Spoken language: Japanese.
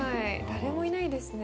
誰もいないですね。